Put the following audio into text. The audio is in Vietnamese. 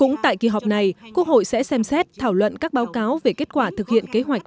cũng tại kỳ họp này quốc hội sẽ xem xét thảo luận các báo cáo về kết quả thực hiện kế hoạch